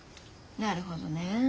なるほどね。